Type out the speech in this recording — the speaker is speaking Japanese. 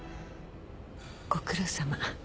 ご苦労さま。